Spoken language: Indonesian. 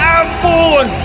oh ya ampun